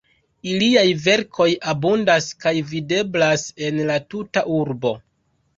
Iliaj verkoj abundas kaj videblas en la tuta urbo.